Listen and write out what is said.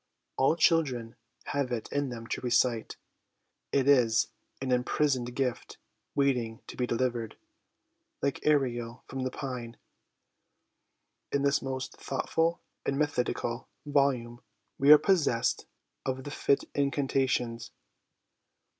All children have it in them to recite ; it is an imprisoned gift waiting to be delivered, like Ariel from the pine. In this most thoughtful and methodical volume we are possessed of the fit incantations.